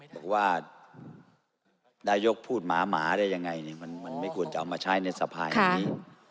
บอกว่าได้ยกพูดหมาหมาได้ยังไงนี่มันมันไม่ควรจะเอามาใช้ในสะพายอย่างนี้